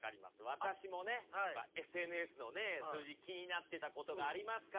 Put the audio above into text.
私もねＳＮＳのね数字気になってたことがありますからね。